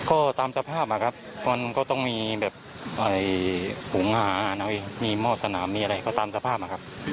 ก็ตามสภาพอะครับมันก็ต้องมีแบบถุงหาน้ำมีหม้อสนามมีอะไรก็ตามสภาพอะครับ